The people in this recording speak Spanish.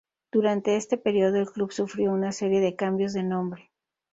Durante este período, el club sufrió una serie de cambios de nombre.